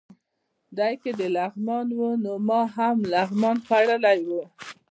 دی که د لغمان و، نو ما هم لغمان خوړلی و.